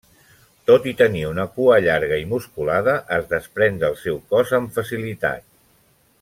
Tot i tenir una cua llarga i musculada, es desprèn del seu cos amb facilitat.